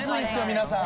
皆さん。